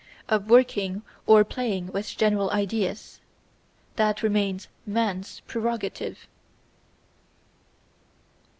of working or playing with general ideas. That remains Man's prerogative.